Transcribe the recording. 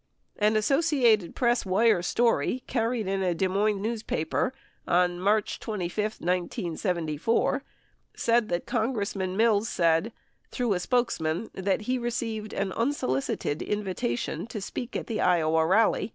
An Associated Press wire story carried in a Des Moines newspaper on March 25, 1974, said that Congressman Mills said, "through a spokesman that he received an unsolicited invitation" to speak at the Iowa rally.